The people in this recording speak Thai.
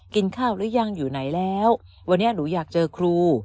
กินข้าวหรือยังอยู่ไหนแล้ววันนี้หนูอยากเจอครู